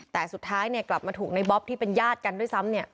แต่สุดท้ายกลับมาถูกในบ๊อบที่เป็นญาติกันด้วยซ้ำ